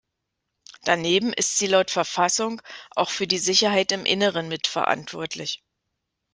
Daneben ist sie laut Verfassung auch für die Sicherheit im Inneren mitverantwortlich.